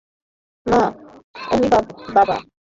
মা, ওনি বাবা।